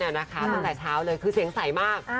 ตั้งแต่เช้าเลยคือเสียงใสมาก